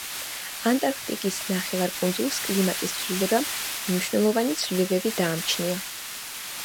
ანტარქტიკის ნახევარკუნძულს კლიმატის ცვლილებამ მნიშვნელოვანი ცვლილებები დაამჩნია.